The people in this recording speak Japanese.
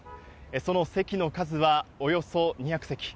その席の数はおよそ２００席。